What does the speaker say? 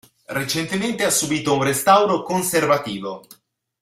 Recentemente ha subito un restauro conservativo.